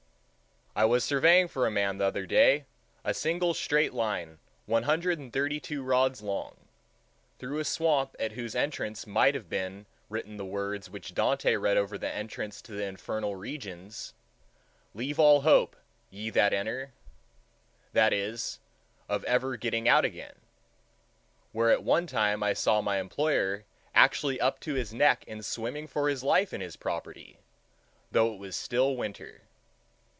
I was surveying for a man the other day a single straight line one hundred and thirty two rods long, through a swamp at whose entrance might have been written the words which Dante read over the entrance to the infernal regions,—"Leave all hope, ye that enter"—that is, of ever getting out again; where at one time I saw my employer actually up to his neck and swimming for his life in his property, though it was still winter.